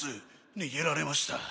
逃げられました。